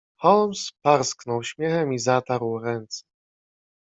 "Holmes parsknął śmiechem i zatarł ręce."